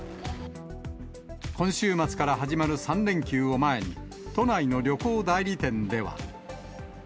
今週末から始まる３連休を前に、都内の旅行代理店では。